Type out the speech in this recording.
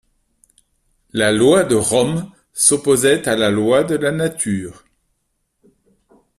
La loi de Rome s'opposait à la loi de la nature.